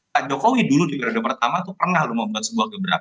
pak jokowi dulu di periode pertama itu pernah lho membuat sebuah gebrakan